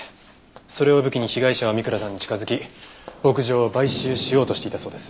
それを武器に被害者は三倉さんに近づき牧場を買収しようとしていたそうです。